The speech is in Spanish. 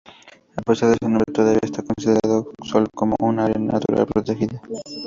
A pesar de su nombre, todavía está considerado solo como un Área natural protegida.